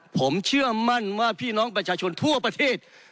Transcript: ผมเชื่อมั่นว่าพี่น้องประชาชนทั่วประเทศ